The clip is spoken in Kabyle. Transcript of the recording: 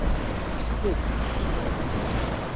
Kkset-t.